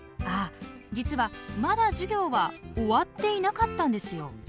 ああ実はまだ授業は終わっていなかったんですよ。